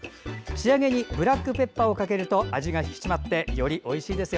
仕上げにブラックペッパーをかけると味が引き締まってよりおいしいです。